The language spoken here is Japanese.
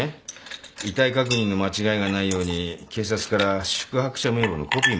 遺体確認の間違えがないように警察から宿泊者名簿のコピーもらってたらしいんだ。